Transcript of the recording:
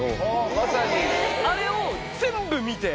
まさに、あれを全部見て。